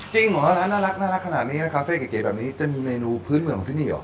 เหรอร้านน่ารักขนาดนี้นะคาเฟ่เก๋แบบนี้จะมีเมนูพื้นเมืองของที่นี่เหรอ